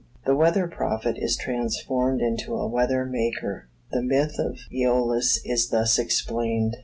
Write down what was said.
The weather prophet is transformed into a weathermaker. The myth of Aeolus is thus explained.